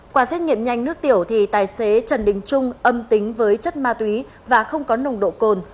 qua xét nghiệm nhanh nước tiểu thì tài xế trần đình trung âm tính với chất ma túy và không có nồng độ cồn